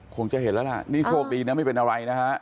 คงจะเห็นแล้วล่ะนี่โชคดีนะไม่เป็นอะไรนะฮะ